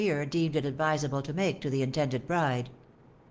* deemed it advisable to make to the intended bride.